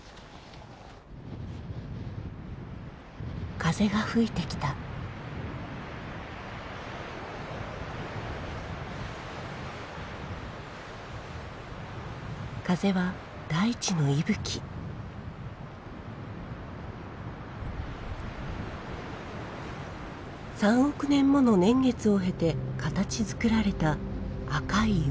風が吹いてきた風は大地の息吹３億年もの年月を経て形づくられた赤い岩山。